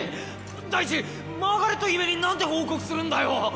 第一マーガレット姫になんて報告するんだよ！